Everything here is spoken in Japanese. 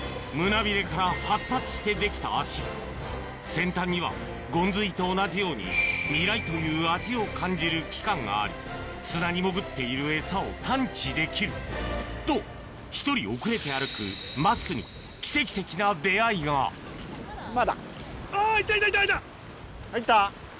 先端にはゴンズイと同じように味蕾という味を感じる器官があり砂に潜っているエサを探知できると１人遅れて歩く桝に入った？